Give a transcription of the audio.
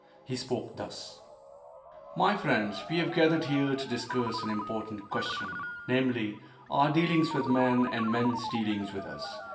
He spoke thus: "My friends, we have gathered here to discuss an important question, namely, 'Our dealings with men, and men's dealings with us.